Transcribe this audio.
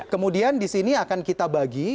kemudian disini akan kita bagi